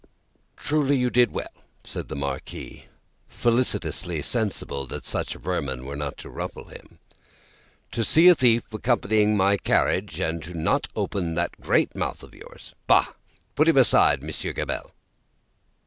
"Truly, you did well," said the Marquis, felicitously sensible that such vermin were not to ruffle him, "to see a thief accompanying my carriage, and not open that great mouth of yours. Bah! Put him aside, Monsieur Gabelle!"